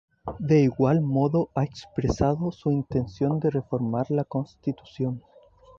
De igual modo ha expresado su intención de reformar la Constitución.